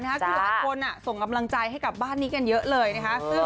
คุณทีมส่งกำลังใจให้กับบ้านนี้กันเยอะเลยนะฮะ